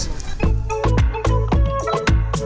biasanya kalau cuacanya ini gak bagus